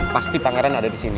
pasti pangeran ada disini